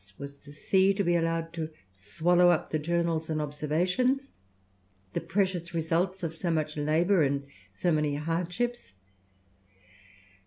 Was the sea to be allowed to swallow up the journals and observations, the precious results of so much labour and so many hardships?